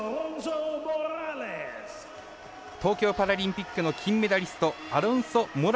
東京パラリンピックの金メダリスト、アロンソモラレス。